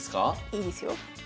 いいですよ。